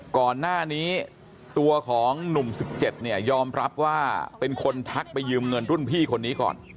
ก่อนหน้านี้ตัวของหนุ่ม๑๗เนี่ยยอมรับว่าเป็นคนทักไปยืมเงินรุ่นพี่คนนี้ก่อน